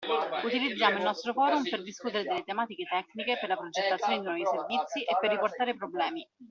Utilizziamo il nostro forum per discutere delle tematiche tecniche, per la progettazione di nuovi servizi, e per riportare problemi.